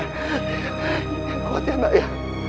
kembali ya pak ya